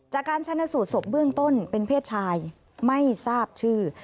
จากการชนะสูตรศพเบื้องต้นเป็นเพศชายไม่ทราบชื่อ